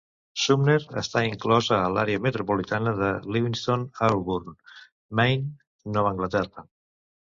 Sumner està inclosa a l'àrea metropolitana de Lewiston-Auburn, Maine (Nova Anglaterra).